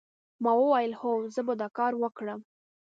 ما وویل هو زه به دا کار وکړم